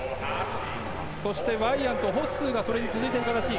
そしてワイヤント、ホッスーが続いている形。